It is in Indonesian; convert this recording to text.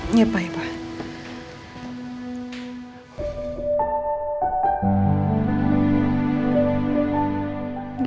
iya pak ya pak